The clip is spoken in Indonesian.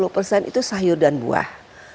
lima puluh persen itu sayur dan buah